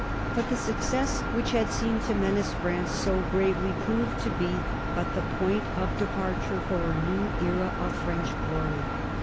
But the success which had seemed to menace France so gravely proved to be but the point of departure for a new era of French glory.